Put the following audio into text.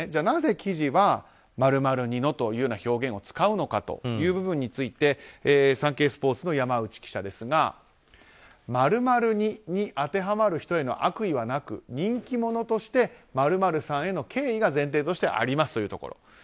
なぜ記事は○○似という表現を使うのかという部分についてサンケイスポーツの山内記者ですが○○似に当てはまる人への悪意はなく人気者として○○さんへの敬意が前提としてありますというところ。